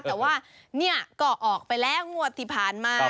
แต่ว่าเนี่ยก็ออกไปแล้วงวดที่ผ่านมา